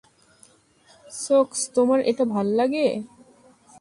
সোকস, তোমার এটা ভাল্লাগে?